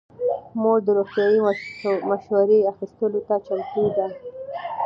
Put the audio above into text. مور د روغتیايي مشورې اخیستلو ته چمتو ده.